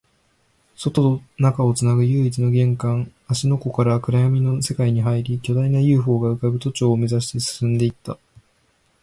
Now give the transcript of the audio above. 外と中をつなぐ唯一の玄関、芦ノ湖から暗闇の世界に入り、巨大な ＵＦＯ が浮ぶ都庁を目指して進んでいった